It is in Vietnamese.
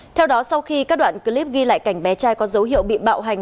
theo đó sau khi các đoạn clip ghi lại cảnh bé trai có dấu hiệu bị bạo hành